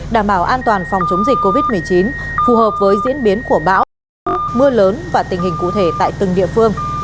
đảm bảo an toàn phòng chống dịch covid một mươi chín phù hợp với diễn biến của bão mưa lớn và tình hình cụ thể tại từng địa phương